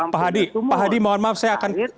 pak hadi pak hadi mohon maaf saya akan